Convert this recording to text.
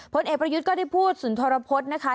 ผลเอกประยุทธ์ก็ได้พูดสุนทรพฤษนะคะ